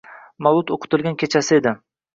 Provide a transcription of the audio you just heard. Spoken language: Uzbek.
Mavlud o'qitilgan kechasi edi.